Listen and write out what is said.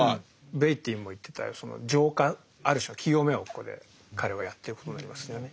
ベイティーも言ってたその浄化ある種の清めをここで彼はやってることになりますよね。